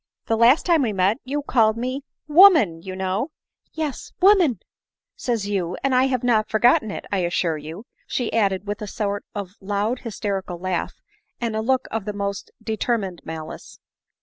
The last time we met, you called me woman, you know — yes, * woman !' says you — and I have not forgotten it, I assure you," she added with a sort of loud hysterical laugh, and a look of the most de termined malice.